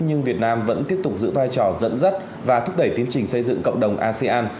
nhưng việt nam vẫn tiếp tục giữ vai trò dẫn dắt và thúc đẩy tiến trình xây dựng cộng đồng asean